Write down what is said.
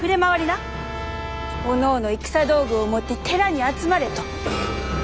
おのおの戦道具を持って寺に集まれと。